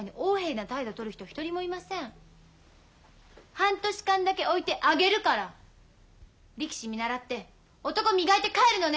半年間だけ置いてあげるから力士見習って男磨いて帰るのね！